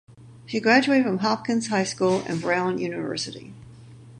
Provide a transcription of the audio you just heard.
She graduated from Hopkins High School and Brown University.